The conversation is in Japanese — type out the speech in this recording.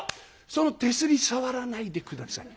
その手すり触らないで下さい。